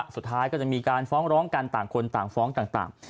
สุดท้ายก็จะมีการฟ้องร้องกันต่างคนต่างฟ้องต่าง